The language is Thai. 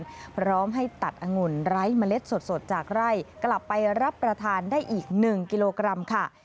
พร้อมให้ตัดองุ่นไร้เมล็ดสดจากไร่กลับไปรับประทานได้อีก๑กิโลกรัมค่ะ